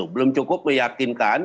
belum cukup meyakinkan